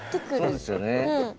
そうですよね。